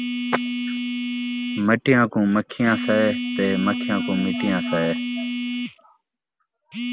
مٹیاں کوں مکھیاں سئے تے مکھیاں کوں مٹیاں سئے